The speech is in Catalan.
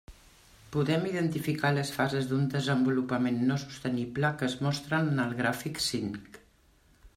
Podem identificar les fases d'un desenvolupament no sostenible que es mostren en el gràfic cinc.